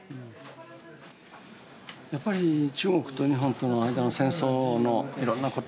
やっぱり中国と日本との間の戦争のいろんなこと